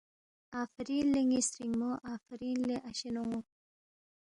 آفرین لے ن٘ئی سترِنگمو آفرین لے اشے، نون٘و